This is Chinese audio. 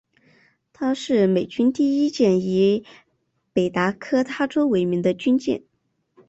她是美军第一艘以北达科他州为名的军舰。